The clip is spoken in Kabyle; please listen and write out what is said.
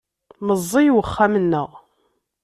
Meẓẓey uxxam-nneɣ.